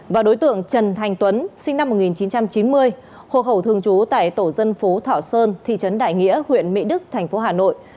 và đối tượng trần thành tuấn sinh năm một nghìn chín trăm chín mươi hộ khẩu thường trú tại tổ dân phố thọ sơn thị trấn đại nghĩa huyện mỹ đức thành phố hà nội